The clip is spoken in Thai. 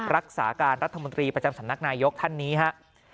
รักษาการรัฐมนตรีประจำสำนักนายกท่านนี้ครับ